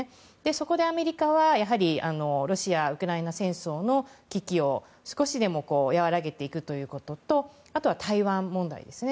そこでアメリカはロシア、ウクライナ戦争の危機を少しでも和らげていくということとあとは台湾問題ですよね。